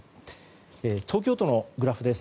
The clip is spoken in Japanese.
東京都のグラフです。